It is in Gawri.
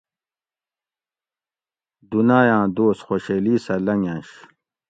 دونایاں دوس خوشیلی سہ لنگنش